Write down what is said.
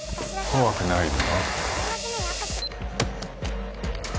怖くないよ